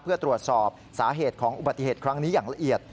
เพื่อตรวจสอบสาเหตุของอุบัติเหตุครั้งนี้อย่างละเอียด